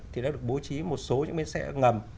thì đã được bố trí một số những bến xe ngầm